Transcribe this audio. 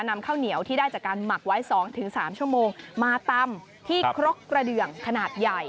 นำข้าวเหนียวที่ได้จากการหมักไว้๒๓ชั่วโมงมาตำที่ครกกระเดืองขนาดใหญ่